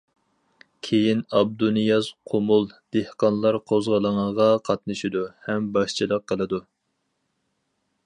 كېيىن ئابدۇنىياز قۇمۇل دېھقانلار قوزغىلىڭىغا قاتنىشىدۇ ھەم باشچىلىق قىلىدۇ.